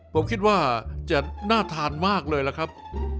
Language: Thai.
ผมคิดว่าจะน่าทานมากเลยล่ะครับ